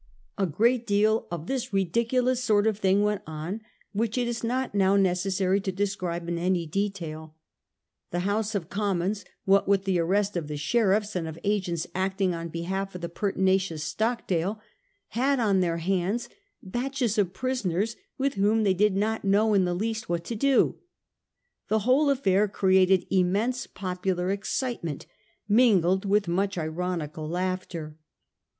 A great deal of this ridi culous sort of thing w.ent on which it is not now necessary to describe in any detail. The House of Commons, what with the arrest of the sheriffs and of agents acting on behalf of the pertinacious Stockdaie, had on their hands batches of prisoners with whom they did not know in the least what to do ; the whole affair created immense popular excitement mingled with much ironical laughter.